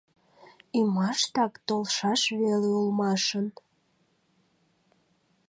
Ӱмаштак толшаш веле улмашын...